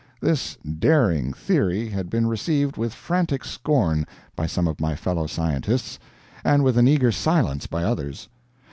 This daring theory had been received with frantic scorn by some of my fellow scientists, and with an eager silence by others.